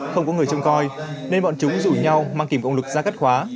không có người trộm coi nên bọn chúng rủ nhau mang kìm công lực ra cắt khóa